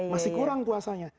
masih kurang puasanya